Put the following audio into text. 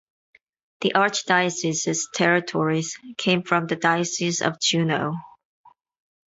The archdiocese's territories came from the Diocese of Juneau.